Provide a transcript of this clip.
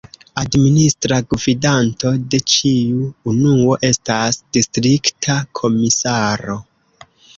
Administra gvidanto de ĉiu unuo estas distrikta komisaro.